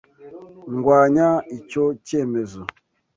Ndwanya icyo cyemezo.